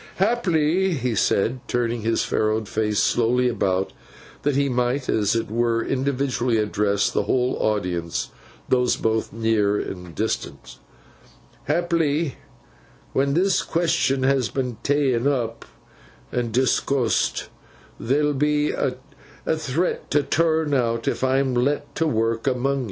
'Haply,' he said, turning his furrowed face slowly about, that he might as it were individually address the whole audience, those both near and distant; 'haply, when this question has been tak'n up and discoosed, there'll be a threat to turn out if I'm let to work among yo.